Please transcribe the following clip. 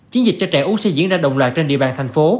chiến dịch cho trẻ uống sẽ diễn ra đồng loạt trên địa bàn thành phố